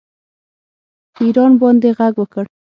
په ایران باندې غږ وکړ